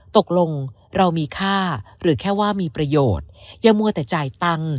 ตกลงเรามีค่าหรือแค่ว่ามีประโยชน์อย่ามัวแต่จ่ายตังค์